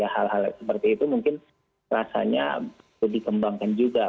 hal hal seperti itu mungkin rasanya dikembangkan juga